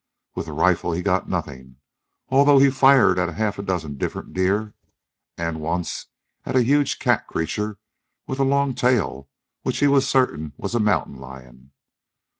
With the rifle he got nothing, although he fired at half a dozen different deer, and, once, at a huge cat creature with a long tail which he was certain was a mountain lion.